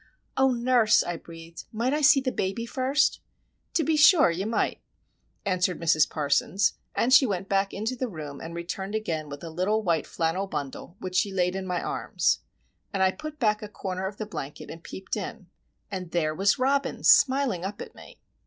"Oh, nurse," I breathed, "might I see the baby first?" "To be sure, you might," answered Mrs. Parsons. And she went back into the room and returned again with a little white flannel bundle which she laid in my arms. And I put back a corner of the blanket and peeped in, and there was Robin smiling up at me!